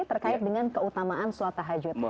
terkait dengan keutamaan suatah hajut